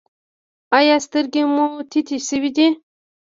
ایا سترګې مو تتې شوې دي؟